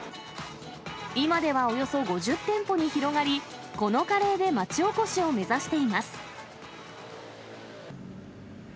今ではおよそ５０店舗に広がり、このカレーで町おこしを目指しています。